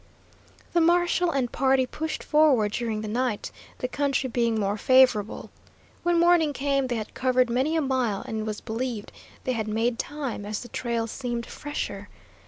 The marshal and party pushed forward during the night, the country being more favorable. When morning came they had covered many a mile, and it was believed they had made time, as the trail seemed fresher.